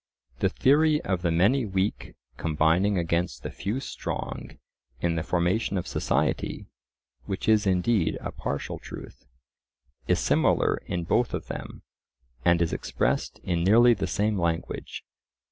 The theory of the many weak combining against the few strong in the formation of society (which is indeed a partial truth), is similar in both of them, and is expressed in nearly the same language.